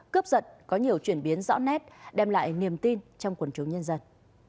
cướp dận có nhiều chuyển biến rõ nét đem lại niềm tin trong quần chủ nhân dân